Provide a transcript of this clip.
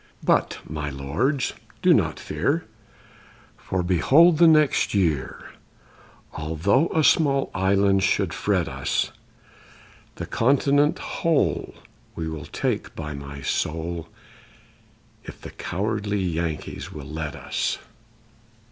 But, my lords, do not fear, For, before the next year, Although a small island should fret us, The continent, whole, We will take, by my soul, If the cowardly Yankees will let us.